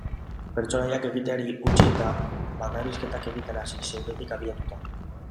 Pertsonaiak egiteari utzi eta bakarrizketak egiten hasi, zeuretik abiatuta.